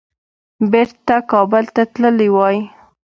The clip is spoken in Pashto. بیرته کابل ته تللي وای.